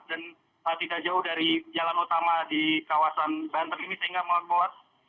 dan tidak jauh dari jalan utama di kawasan banten ini sehingga membuat